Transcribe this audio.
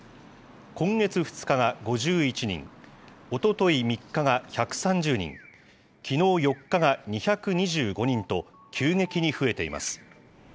今月２日が５１人、おととい３日が１３０人、きのう４日が２２５人と、急激に増えています。